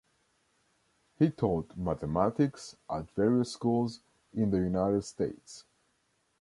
He taught mathematics at various schools in the United States.